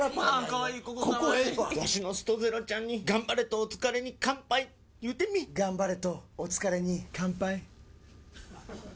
ワシのストゼロちゃんに「頑張れとお疲れに乾杯」言うてみい頑張れとお疲れに乾杯！